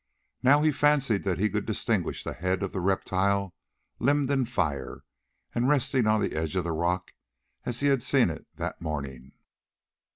Now he fancied that he could distinguish the head of the reptile limned in fire and resting on the edge of the rock as he had seen it that morning.